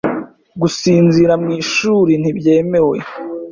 Gusinzira mu ishuri ntibyemewe .